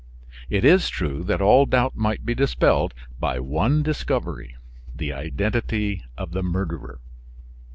It is true that all doubt might be dispelled by one discovery the identity of the murderer.